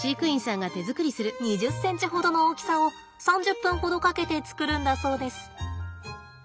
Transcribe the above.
２０センチほどの大きさを３０分ほどかけて作るんだそうです。